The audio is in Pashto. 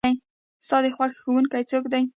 ستا د خوښې ښوونکي څوک دی؟